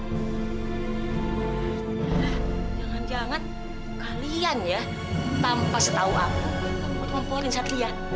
jangan jangan kalian ya tanpa setau aku kamu mau ngomporin satria